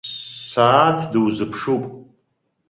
Сааҭ дузԥшуп.